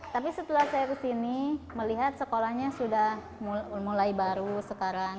tapi setelah saya kesini melihat sekolahnya sudah mulai baru sekarang